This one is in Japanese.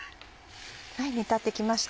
煮立って来ました。